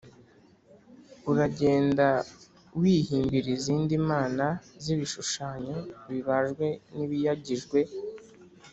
uragenda wihimbira izindi mana z’ibishushanyo bibajwe n’ibiyagijwe